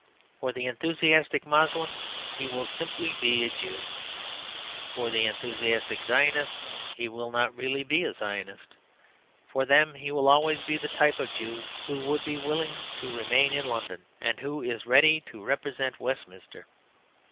For the enthusiastic Moslems he will simply be a Jew; for the enthusiastic Zionists he will not really be a Zionist. For them he will always be the type of Jew who would be willing to remain in London, and who is ready to represent Westminster.